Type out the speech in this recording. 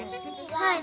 「はい。